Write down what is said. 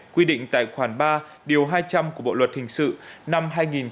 quy định tại khoản ba điều hai trăm linh của bộ luật hình sự năm hai nghìn một mươi năm